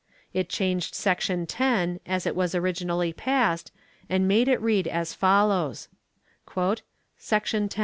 It changed section 10 as it was originally passed, and made it read as follows: "Section 10.